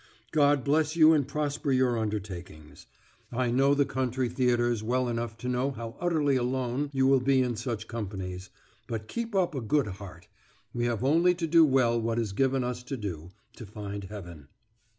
God bless you and prosper your undertakings. I know the country theatres well enough to know how utterly alone you will be in such companies; but keep up a good heart; we have only to do well what is given us to do, to find heaven.